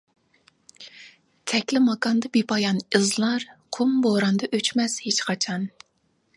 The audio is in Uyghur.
تەكلىماكاندا بىپايان ئىزلار، قۇم بوراندا ئۆچمەس ھېچقاچان.